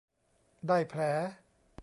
ได้แผล